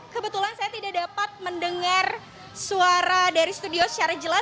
kebetulan saya tidak dapat mendengar suara dari studio secara jelas